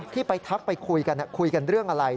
ที่ไปทักไปคุยกันคุยกันเรื่องอะไร